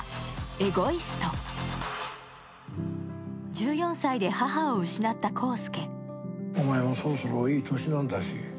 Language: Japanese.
１４歳で母を失った浩輔。